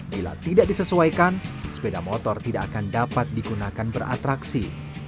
bila tidak disesuaikan sepeda motor tidak akan dapat digunakan beratraksi